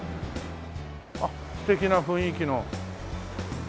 あっ素敵な雰囲気の。